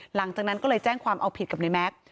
หลังจากนั้นก็เลยแจ้งความเอาผิดกับในแม็กซ์